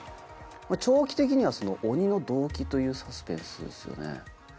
長期的には鬼の動機というサスペンスですよね。